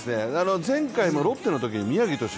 前回もロッテのときに宮城投手